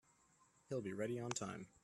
He'll be ready on time.